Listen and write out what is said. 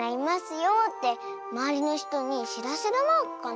よってまわりのひとにしらせるマークかな？